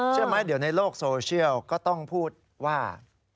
เชื่อไหมเดี๋ยวในโลกโซเชียลก็ต้องพูดว่า